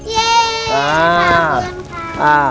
เย้ขอบคุณค่ะ